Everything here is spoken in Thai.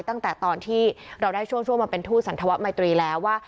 ตั้งแต่ตอนที่เราได้ช่วงมาเป็นทูตสันธวะไมตรีแล้วว่า